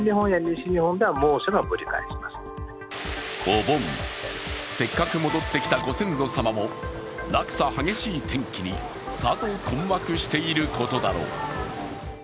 お盆、せっかく戻ってきたご先祖様も落差激しい天気にさぞ困惑していることだろう。